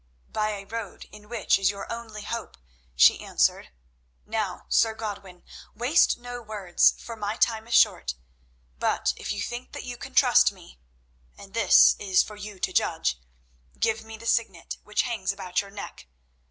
"By a road in which is your only hope," she answered. "Now, Sir Godwin, waste no words, for my time is short, but if you think that you can trust me—and this is for you to judge—give me the Signet which hangs about your neck.